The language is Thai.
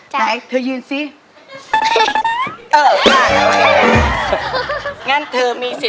ไหนเธอยืนซิ